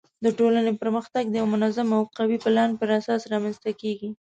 د ټولنې پرمختګ د یوه منظم او قوي پلان پر اساس رامنځته کیږي.